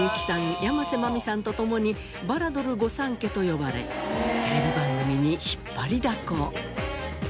山瀬まみさんと共にバラドル御三家と呼ばれテレビ番組に引っ張りだこ。